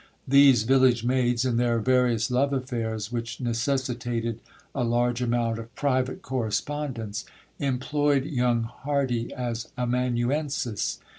These village maids, in their various love affairs, which necessitated a large amount of private correspondence, employed young Hardy as amanuensis.